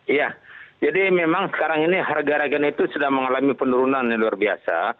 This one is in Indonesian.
iya jadi memang sekarang ini harga reagen itu sudah mengalami penurunan yang luar biasa